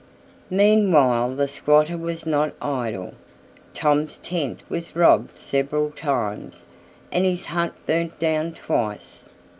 Meanwhile the squatter was not idle. Tom's tent was robbed several times, and his hut burnt down twice.